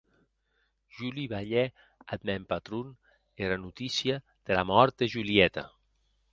Jo li balhè ath mèn patron era notícia dera mòrt de Julieta.